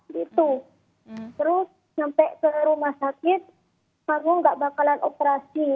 terus sampai ke rumah sakit aku nggak bakalan operasi